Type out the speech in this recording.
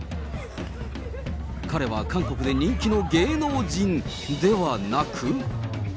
彼は韓国で人気の芸能人、ではなく。